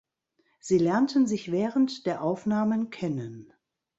Sie lernten sich während der Aufnahmen kennen.